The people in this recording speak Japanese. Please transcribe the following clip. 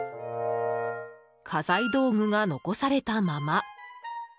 家財道具が残されたまま。